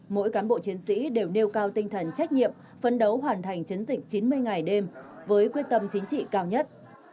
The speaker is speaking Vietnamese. mỗi cán bộ chiến sĩ đều nêu cao tinh thần trách nhiệm phấn đấu hoàn thành chiến dịch chín mươi ngày đêm với quyết tâm chính trị cao nhất